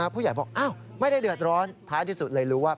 ผู้ใหญ่บอกไม่ได้เดือดร้อนท้ายที่สุดเลยรู้ว่า